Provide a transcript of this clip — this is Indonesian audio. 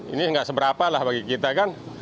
ini nggak seberapa lah bagi kita kan